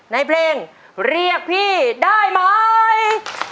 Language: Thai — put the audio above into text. ในเพลงเรียกพี่ได้ไหม